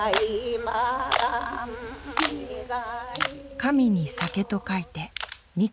神に酒と書いて「神酒」。